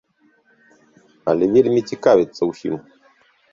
Але вельмі цікавіцца ўсім.